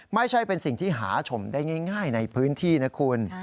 ไม่ใช่เป็นสิ่งที่หาชมได้ง่ายในพื้นที่นะคุณ